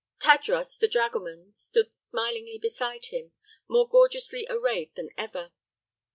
Tadros, the dragoman, stood smilingly beside him, more gorgeously arrayed than ever.